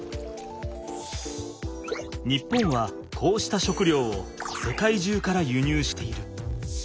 日本はこうした食料を世界中から輸入している。